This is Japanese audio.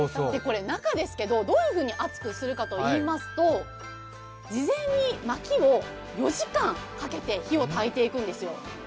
中ですけど、どういうふうに熱くするかといいますと事前に薪を４時間かけて火をたいていくんですよ。